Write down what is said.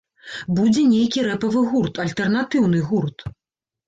Будзе нейкі рэпавы гурт, альтэрнатыўны гурт.